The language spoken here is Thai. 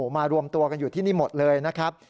มารวมตัวกันอยู่ที่นี่หมดเลยนะครับ